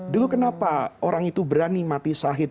dulu kenapa orang itu berani mati sahid